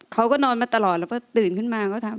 เขาก็นอนมาตลอดแล้วก็ตื่นขึ้นมาก็ถาม